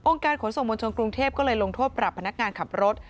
การขนส่งมวลชนกรุงเทพก็เลยลงโทษปรับพนักงานขับรถ